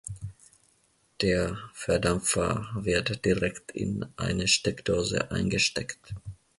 Der Verdampfer wird direkt in eine Steckdose eingesteckt.